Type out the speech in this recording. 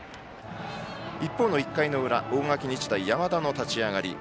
一方の１回の裏、大垣日大山田の立ち上がり。